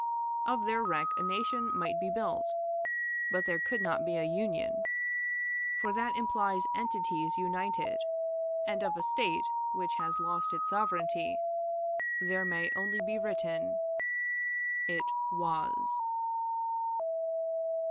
Of their wreck a nation might be built, but there could not be a Union, for that implies entities united, and of a State which has lost its sovereignty there may only be written, "It was."